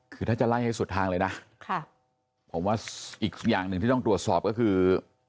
คือถ้าจะไล่ให้สุดทางเลยนะผมว่าอีกอย่างหนึ่งที่ต้องตรวจสอบก็คือ